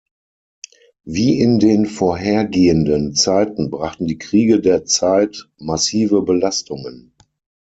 Wie in den vorhergehenden Zeiten brachten die Kriege der Zeit massive Belastungen.